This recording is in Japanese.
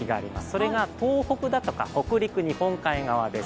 それが東北だとか北陸日本海側です。